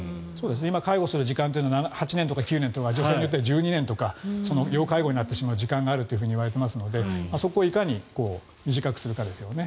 介護する時間が８年とか１０年とか女性によっては１２年とか要介護になってしまう時間があるというふうにいわれていますのでそこをいかに短くするかですよね。